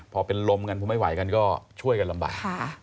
พอเป็นลมกันพอไม่ไหวกันก็ช่วยกันลำบาก